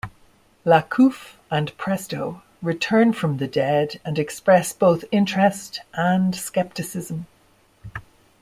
Lacouf and Presto return from the dead and express both interest and scepticism.